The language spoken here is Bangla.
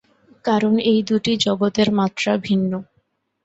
কারণ এই দুটি জগতের মাত্রা ভিন্ন।